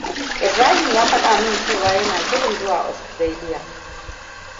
Ibrahim ya faɗa mun cewa yana shirin zuwa Australia.